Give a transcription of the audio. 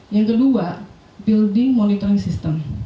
yang kedua building monitoring system